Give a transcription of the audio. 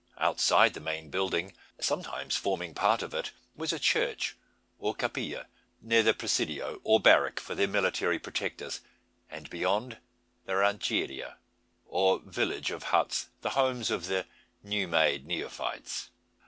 Outside the main building, sometimes forming part of it, was a church, or capilla; near by the presidio, or barrack for their military protectors; and beyond, the rancheria, or village of huts, the homes of the new made neophytes.